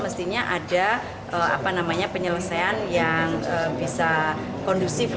mestinya ada penyelesaian yang bisa kondusif